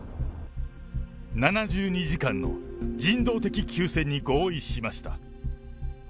７２時間の人道的休戦に合意しました。